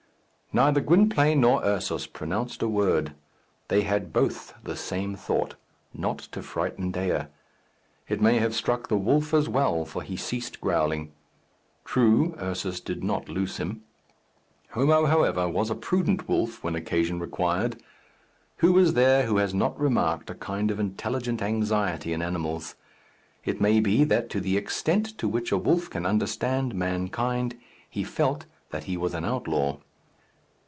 Neither Gwynplaine nor Ursus pronounced a word. They had both the same thought not to frighten Dea. It may have struck the wolf as well, for he ceased growling. True, Ursus did not loose him. Homo, however, was a prudent wolf when occasion required. Who is there who has not remarked a kind of intelligent anxiety in animals? It may be that to the extent to which a wolf can understand mankind he felt that he was an outlaw.